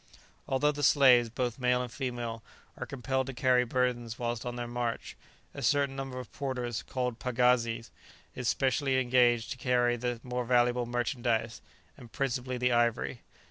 Although the slaves, both male and female, are compelled to carry burdens whilst on their march, a certain number of porters, called pagazis, is specially engaged to carry the more valuable merchandize, and principally the ivory.